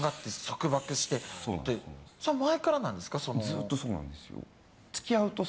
ずっとそうなんですよ。